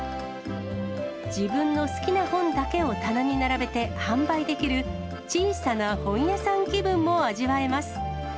自分の好きな本だけを棚に並べて販売できる小さな本屋さん気分も味わえます。